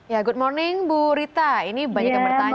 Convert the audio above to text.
ya good morning bu rita ini banyak yang bertanya